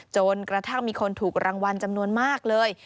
จนกระทั่งมีคนถูกรางวัลจำนวนมากเลย